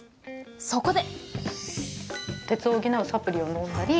そこで。